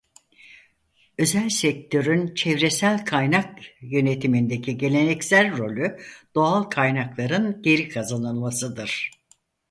Özel sektörün çevresel kaynak yönetimindeki geleneksel rolü doğal kaynakların geri kazanılmasıdır.